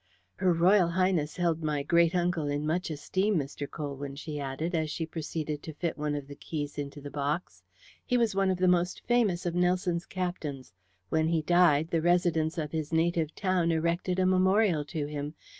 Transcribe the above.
"Her Royal Highness held my great uncle in much esteem, Mr. Colwyn," she added, as she proceeded to fit one of the keys into the box. "He was one of the most famous of Nelson's captains. When he died the residents of his native town erected a memorial to him.